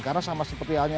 karena sama seperti halnya